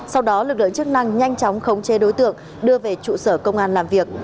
sau đó lực lượng chức năng nhanh chóng khống chế đối tượng đưa về trụ sở công an làm việc